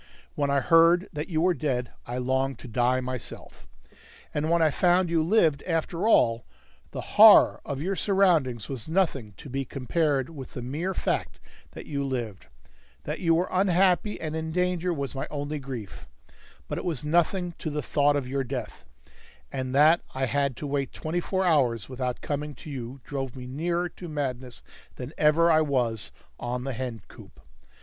When I heard that you were dead, I longed to die myself. And when I found you lived after all, the horror of your surroundings was nothing to be compared with the mere fact that you lived; that you were unhappy and in danger was my only grief, but it was nothing to the thought of your death; and that I had to wait twenty four hours without coming to you drove me nearer to madness than ever I was on the hen coop.